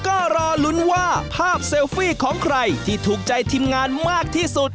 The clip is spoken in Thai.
ก็รอลุ้นว่าภาพเซลฟี่ของใครที่ถูกใจทีมงานมากที่สุด